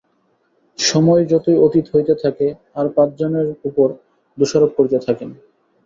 সময় যতই অতীত হইতে থাকে আর পাঁচজনের উপর দোষারোপ করিতে থাকেন।